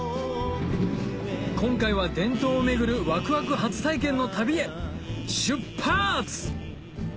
今回は伝統を巡るワクワク初体験の旅へしゅっぱつ！